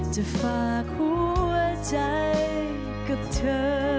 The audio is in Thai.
จะฝากหัวใจกับเธอ